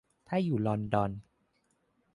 ถ้าอยู่ลอนดอน